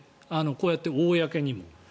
こうやって公にも。